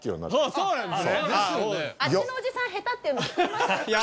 そう「あっちのおじさん下手」っていうの聞きましたか？